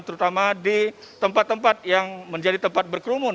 terutama di tempat tempat yang menjadi tempat berkerumun